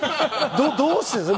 どうしてです？